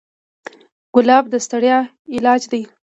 ګلاب د ستړیا علاج دی.